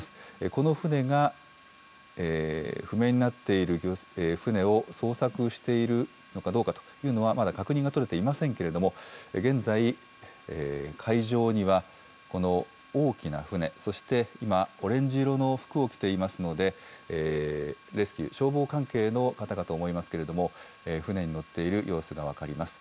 この船が、不明になっている船を捜索しているのかどうかというのは、まだ確認が取れていませんけれども、現在、海上にはこの大きな船、そして今、オレンジ色の服を着ていますので、レスキュー、消防関係の方かと思いますけれども、船に乗っている様子が分かります。